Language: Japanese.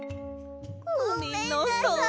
ごめんなさい。